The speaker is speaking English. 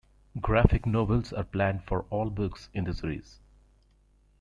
Graphic novels are planned for all books in the series.